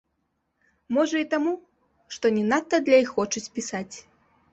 Можа і таму, што не надта для іх хочуць пісаць.